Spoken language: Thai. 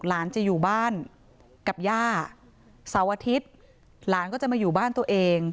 หลานจะอยู่บ้านกับย่าเสาร์อาทิตย์หลานก็จะมาอยู่บ้านตัวเอง